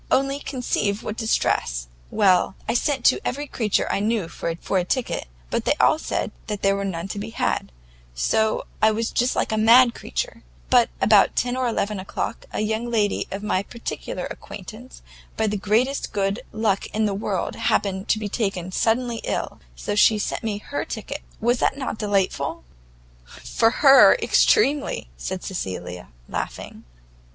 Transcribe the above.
Only conceive what a distress! well, I sent to every creature I knew for a ticket, but they all said there was not one to be had; so I was just like a mad creature but about ten or eleven o'clock, a young lady of my particular acquaintance, by the greatest good luck in the world happened to be taken suddenly ill; so she sent me her ticket, was not that delightful?" "For her, extremely!" said Cecilia, laughing.